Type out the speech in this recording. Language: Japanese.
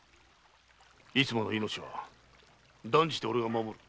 逸馬の命は断じて俺が守る。